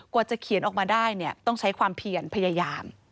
กว่าจะเขียนออกมาได้ต้องใช้ความเพียรพยายาม